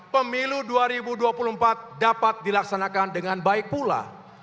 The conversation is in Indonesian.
pemilu dua ribu dua puluh empat dapat dilaksanakan dengan baik pula